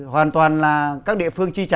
hoàn toàn là các địa phương chi trả